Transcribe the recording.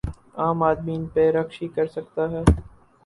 عام آدمی ان پہ رشک ہی کر سکتا ہے۔